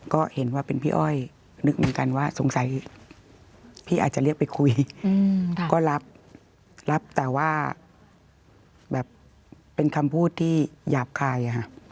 ก็เห็นว่าเป็นพี่อ้อยนึกเหมือนกันว่าสงสัยพี่อาจจะเรียกไปคุยก็รับรับแต่ว่าแบบเป็นคำพูดที่หยาบคาย